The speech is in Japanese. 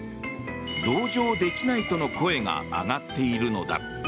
同情できないとの声が上がっているのだ。